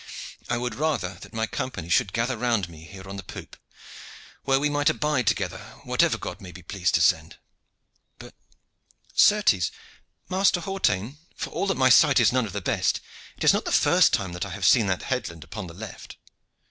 I would rather that my Company should gather round me here on the poop, where we might abide together whatever God may be pleased to send. But, certes, Master Hawtayne, for all that my sight is none of the best, it is not the first time that I have seen that headland upon the left."